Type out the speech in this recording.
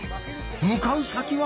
向かう先は。